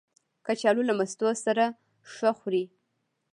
کچالو له مستو سره ښه خوري